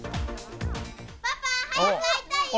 パパ、早く会いたいよ。